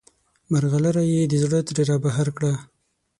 مرغلره یې د زړه ترې رابهر کړه.